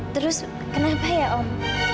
terus kenapa ya om